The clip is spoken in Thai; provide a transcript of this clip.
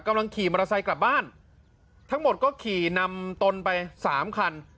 กำลังขี่มอเตอร์ไซค์กลับบ้านทั้งหมดก็ขี่นำตนไปสามคัน